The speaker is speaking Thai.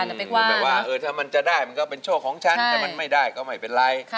อาจจะไม่ว่าว่าถ้ามันจะได้มันก็เป็นโชคของฉันถ้ามันไม่ได้ก็ไม่เป็นไร